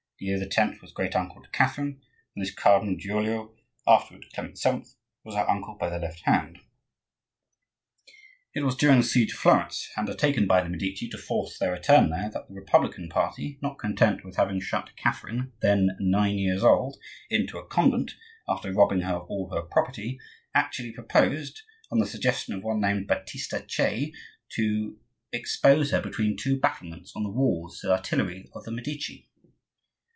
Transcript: Leo X. was great uncle to Catherine, and this Cardinal Giulio, afterward Clement VII., was her uncle by the left hand. It was during the siege of Florence, undertaken by the Medici to force their return there, that the Republican party, not content with having shut Catherine, then nine years old, into a convent, after robbing her of all her property, actually proposed, on the suggestion of one named Batista Cei, to expose her between two battlements on the walls to the artillery of the Medici.